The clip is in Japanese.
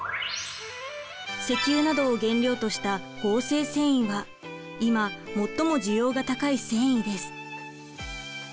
石油などを原料とした合成繊維は今最も需要が高い繊維です。